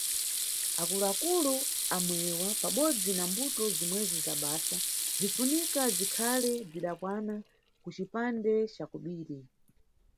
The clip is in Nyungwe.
Akulu-akulu amwewa pabodzi na mbuto zimwezi za basa bzinʼfunika bzikhale bzdakwana ku cipande ca kobiri.